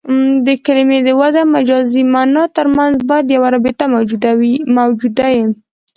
د کلمې د وضعي او مجازي مانا ترمنځ باید یوه رابطه موجوده يي.